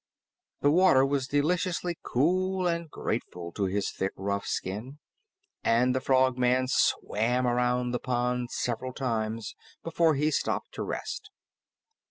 The water was deliciously cool and grateful to his thick, rough skin, and the Frogman swam around the pond several times before he stopped to rest.